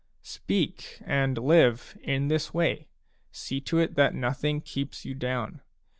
Speak, and live, in this way ; see to it that nothing keeps you down.